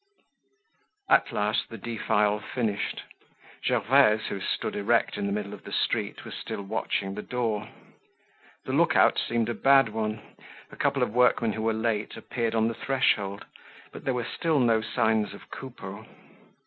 At last the defile finished. Gervaise, who stood erect in the middle of the street, was still watching the door. The look out seemed a bad one. A couple of workmen who were late appeared on the threshold, but there were still no signs of Coupeau.